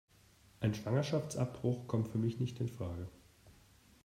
Ein Schwangerschaftsabbruch kommt für mich nicht infrage.